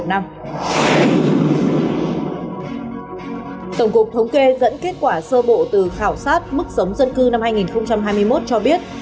tổng cục thống kê dẫn kết quả sơ bộ từ khảo sát mức sống dân cư năm hai nghìn hai mươi một cho biết